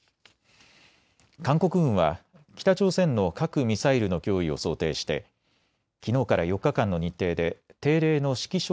韓国軍は北朝鮮の核・ミサイルの脅威を想定してきのうから４日間の日程で定例の指揮所